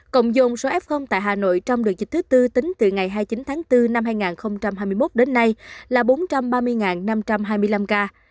cộng dồn số f tại hà nội trong đợt dịch thứ tư tính từ ngày hai mươi chín tháng bốn năm hai nghìn hai mươi một đến nay là bốn trăm ba mươi năm trăm hai mươi năm ca